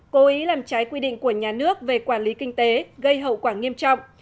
cố ý làm trái quy định của nhà nước về quản lý kinh tế gây hậu quả nghiêm trọng